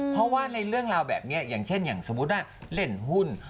เพราะว่าในเรื่องราวแบบนี้อย่างเช่นอย่างสมมุติว่าเล่นหุ้น